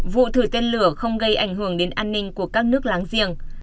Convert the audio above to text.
vụ thử tên lửa không gây ảnh hưởng đến an ninh của các nước láng giềng